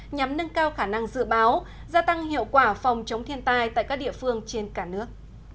nhằm nâng cao khả năng dự báo gia tăng hiệu quả phòng chống thiên tai tại các địa phương trên cả nước